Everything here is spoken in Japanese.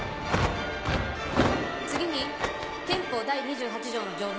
次に憲法第２８条の条文を。